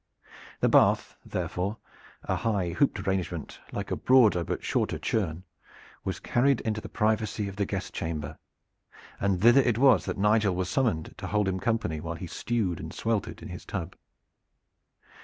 The bath therefore, a high hooped arrangement like a broader but shorter churn, was carried into the privacy of the guest chamber, and thither it was that Nigel was summoned to hold him company while he stewed and sweltered in his tub.